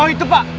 oh itu pak